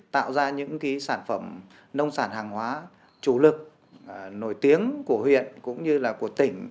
tạo ra những sản phẩm nông sản hàng hóa chủ lực nổi tiếng của huyện cũng như là của tỉnh